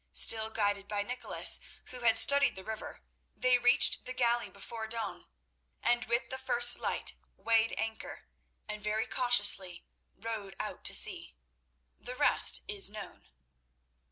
Still guided by Nicholas, who had studied the river, they reached the galley before dawn, and with the first light weighed anchor, and very cautiously rowed out to sea. The rest is known.